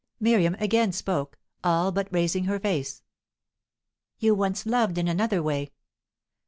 Miriam again spoke, all but raising her face. "You once loved in another way."